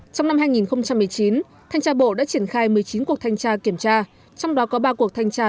trong năm hai nghìn một mươi chín thanh tra bộ đã triển khai một mươi chín cuộc thanh tra kiểm tra trong đó có ba cuộc thanh tra